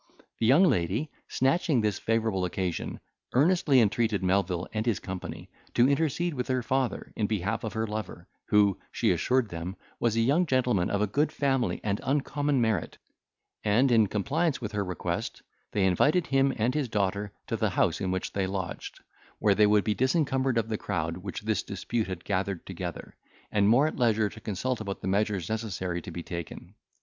The young lady snatching this favourable occasion, earnestly entreated Melvil and his company to intercede with her father in behalf of her lover, who, she assured them, was a young gentleman of a good family, and uncommon merit; and in compliance with her request they invited him and his daughter to the house in which they lodged, where they would be disencumbered of the crowd which this dispute had gathered together, and more at leisure to consult about the measures necessary to be taken.